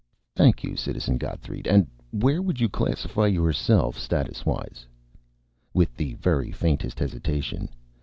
"Thank you, Citizen Gotthreid. And where would you classify yourself statuswise?" (With the very faintest hesitation).